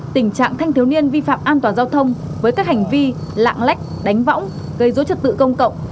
tình trạng thanh thiếu niên vi phạm an toàn giao thông với các hành vi lạng lách đánh võng gây dối trật tự công cộng